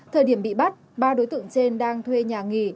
thời điểm bị bắt ba đối tượng trên đang thuê nhà nghỉ